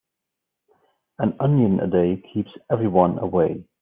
An onion a day keeps everyone away.